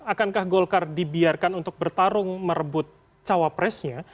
akankah golkar dibiarkan untuk bertarung merebut cawapresnya